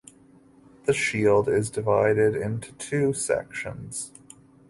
The shield is divided into two sections.